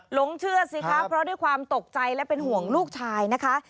หลงเชื่อสิคะเพราะด้วยความตกใจและเป็นห่วงลูกชายนะคะ